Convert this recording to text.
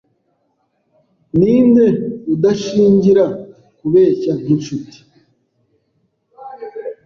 Ninde udashingira kubeshya nkinshuti